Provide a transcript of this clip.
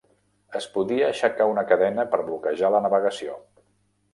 Es podia aixecar una cadena per bloquejar la navegació.